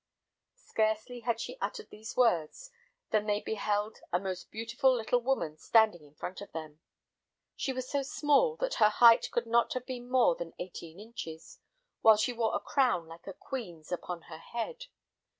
Scarcely had she uttered these words, than they beheld a most beautiful little woman standing in front of the fire. She was so small that her height could not have been more than eighteen inches, while she wore a crown like a queen's upon her head.